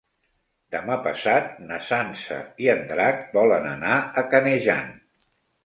Demà passat na Sança i en Drac volen anar a Canejan.